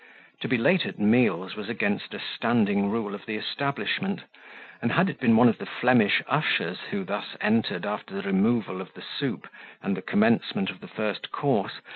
To be late at meals was against a standing rule of the establishment, and had it been one of the Flemish ushers who thus entered after the removal of the soup and the commencement of the first course, M.